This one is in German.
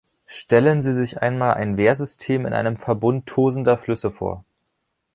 Stellen Sie sich einmal ein Wehrsystem in einem Verbund tosender Flüsse vor.